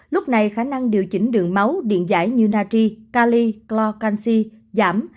lúc này khả năng điều chỉnh đường máu điện giải như natri cali clor canxi giảm